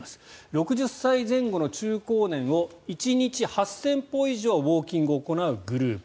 ６０歳前後の中高年を１日８０００歩以上ウォーキングを行うグループ